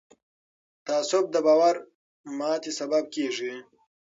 تعصب د باور ماتې سبب کېږي